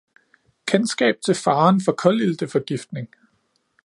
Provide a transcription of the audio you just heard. Kendskab til faren for kulilteforgiftning